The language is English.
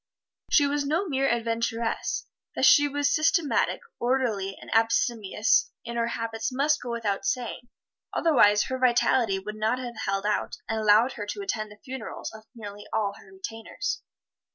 She was no mere adventuress. That she was systematic, orderly and abstemious in her habits must go without saying, otherwise her vitality would not have held out and allowed her to attend the funerals of nearly all her retainers.